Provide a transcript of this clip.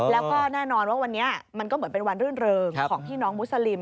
แล้วก็แน่นอนว่าวันนี้มันก็เหมือนเป็นวันรื่นเริงของพี่น้องมุสลิม